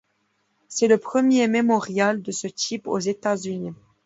C'est le premier mémorial de ce type aux États-Unis.